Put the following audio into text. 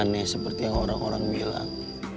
aneh seperti yang orang orang bilang